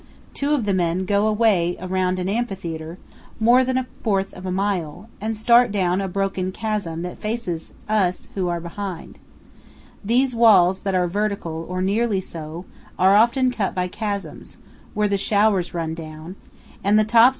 Two of the men go away around an amphitheater, more than a fourth of a mile, and start down a broken chasm that faces us who are behind. These walls, that are vertical, or nearly so, are often cut by chasms, where the showers run down, THE RIO VIRGEN AND THE UINKARET MOUNTAINS.